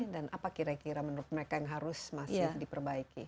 apa kira kira menurut mereka yang harus masih diperbaiki